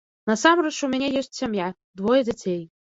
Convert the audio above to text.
Насамрэч, у мяне ёсць сям'я, двое дзяцей.